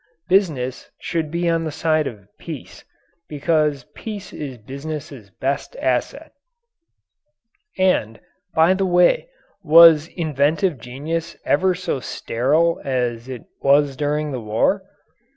Business should be on the side of peace, because peace is business's best asset. And, by the way, was inventive genius ever so sterile as it was during the war?